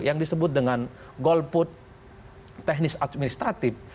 yang disebut dengan golput teknis administratif